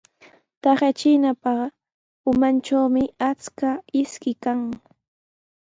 Taqay chiinapa umantrawqa achka ishkimi kan.